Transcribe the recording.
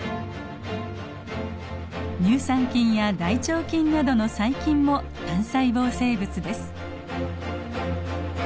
乳酸菌や大腸菌などの細菌も単細胞生物です。